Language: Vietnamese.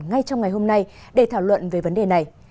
ngay trong ngày hôm nay để thảo luận về vấn đề này